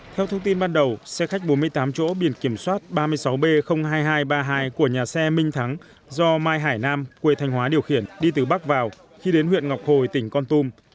theo thông tin ban đầu xe khách bốn mươi tám chỗ biển kiểm soát ba mươi sáu b hai nghìn hai trăm ba mươi hai của nhà xe minh thắng do mai hải nam quê thanh hóa điều khiển đi từ bắc vào khi đến huyện ngọc hồi tỉnh con tum